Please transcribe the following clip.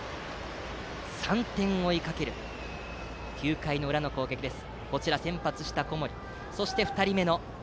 ３点追いかける９回裏の攻撃です。